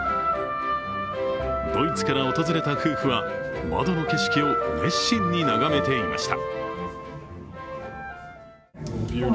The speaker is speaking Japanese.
ドイツから訪れた夫婦は、窓の景色を熱心に眺めていました。